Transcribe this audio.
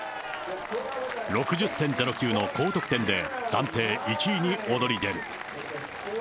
６０．０９の高得点で、暫定１位に躍り出る。